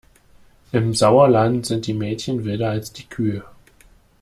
Im Sauerland sind die Mädchen wilder als die Kühe.